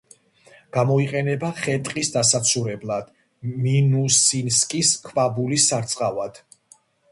გამოიყენება ხე-ტყის დასაცურებლად, მინუსინსკის ქვაბულის სარწყავად.